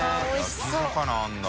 焼き魚あるんだ。